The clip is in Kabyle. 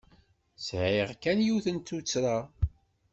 Sɛiɣ kan yiwet n tuttra.